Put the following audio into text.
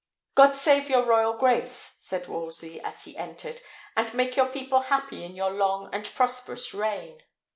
"God save your royal grace!" said Wolsey, as he entered, "and make your people happy in your long and prosperous reign!"